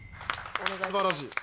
すばらしい。